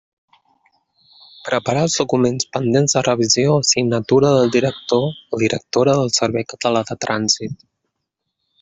Prepara els documents pendents de revisió i signatura del director o directora del Servei Català de Trànsit.